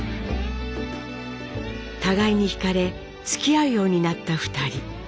互いにひかれつきあうようになった２人。